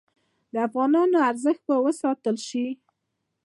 د افغانیو ارزښت به وساتل شي؟